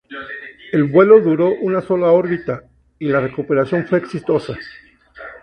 El vuelo duró una sola órbita, y la recuperación fue exitosa.